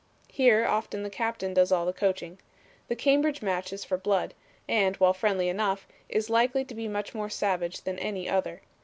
Here often the captain does all the coaching. The Cambridge match is for blood, and, while friendly enough, is likely to be much more savage than any other.